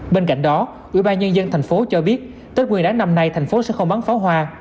bên cạnh đó ủy ban nhân dân thành phố cho biết tết nguyên đáng năm nay thành phố sẽ không bắn pháo hoa